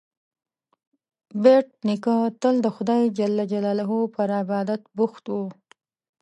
بېټ نیکه تل د خدای جل جلاله پر عبادت بوخت و.